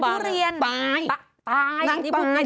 ตายนั่งตายระวังใหนตายพี่